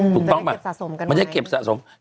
จะได้เก็บสะสมกันไหม